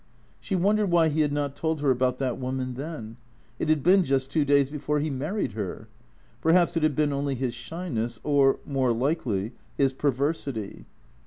She wondered why he had not told her about that woman then. It had been just two days before he married her. Per haps it had been only his shyness, or, more likely, his per versity.